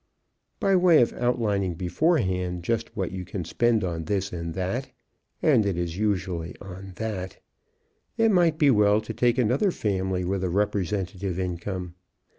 By way of outlining beforehand just what you can spend on this and that (and it is usually on "that") it might be well to take another family with a representative income.